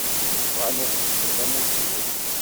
Bɣan ad t-ččen d amuddir.